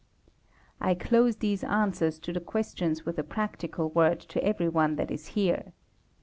I close these answers to the questions with a practical word to everyone that is here.